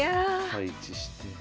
配置して。